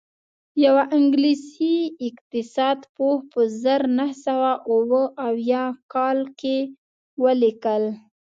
یوه انګلیسي اقتصاد پوه په زر نه سوه اووه اویا کال کې ولیکل